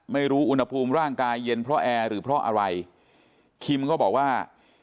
ไม่รู้อุณหภูมิร่างกายเย็นเพราะแอร์หรือเพราะอะไรคิมก็บอกว่า